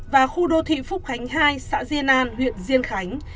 và khu đô thị phúc khánh hai xã diên an huyện diên khánh